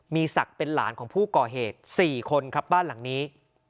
มีศักดิ์เป็นหลานของผู้ก่อเหตุ๔คนครับบ้านหลังนี้